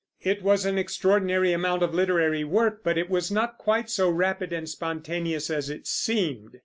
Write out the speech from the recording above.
It was an extraordinary amount of literary work, but it was not quite so rapid and spontaneous as it seemed.